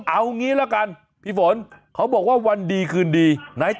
เอางี้ละกันพี่ฝนเขาบอกว่าวันดีคืนดี